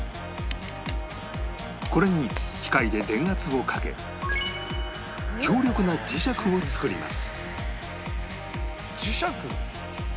これに機械で電圧をかけ強力な磁石を作ります磁石？